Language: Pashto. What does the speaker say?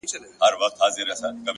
هره هڅه د بریا نښه پرېږدي.!